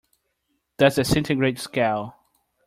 That's the centigrade scale.